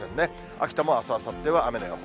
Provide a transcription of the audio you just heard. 秋田もあす、あさっては雨の予想。